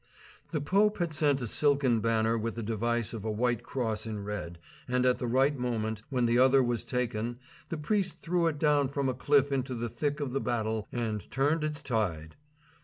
The Pope had sent a silken banner with the device of a white cross in red, and at the right moment, when the other was taken, the priest threw it down from a cliff into the thick of the battle and turned its tide.